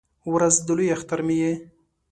ورځ د لوی اختر مې یې